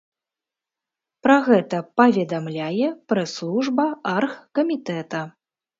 Пра гэта паведамляе прэс-служба аргкамітэта.